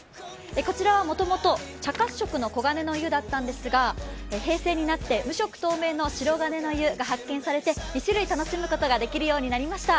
こちらはもともと茶褐色の黄金の湯だったんですが、平成になって無色透明の白銀の湯が発見されて２種類楽しむことができるようになりました。